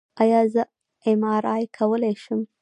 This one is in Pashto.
ایا زه ایم آر آی کولی شم؟